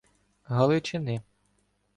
Галичини.